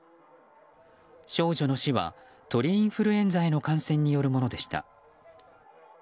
少女の死は鳥インフルエンザへの感染によるものでした。